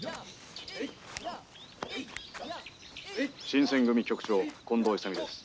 「新選組局長近藤勇です」。